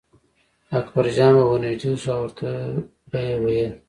اکبرجان به ور نږدې شو او ورته به یې ویل.